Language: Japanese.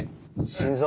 心臓？